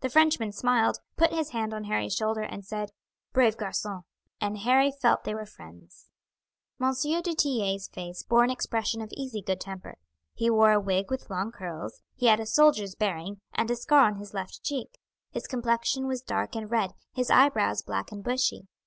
The Frenchman smiled, put his hand on Harry's shoulder, and said: "Brave garcon!" and Harry felt they were friends. M. du Tillet's face bore an expression of easy good temper. He wore a wig with long curls; he had a soldier's bearing, and a scar on his left cheek; his complexion was dark and red, his eyebrows black and bushy.